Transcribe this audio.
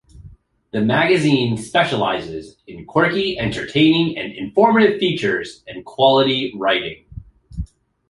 The magazine specialises in quirky, entertaining and informative features and quality writing.